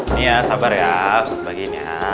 nia sabar ya ustadz bagiin ya